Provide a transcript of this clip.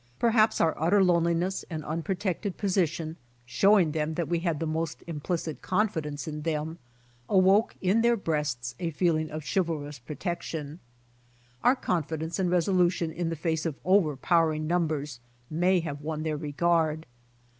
Perhaps our utter loneliness and unprotected position, showing them that we had the most implicit confidence in themj awoke in their breasts a feeling of chivalrous protec tion. Our confidence and resolution in the face of overpowering numbers may have won their regard.